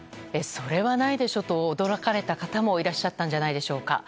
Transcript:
それはないでしょ！と驚かれた方もいらっしゃったのではないでしょうか。